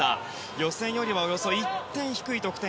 予選よりはおよそ１点低い得点。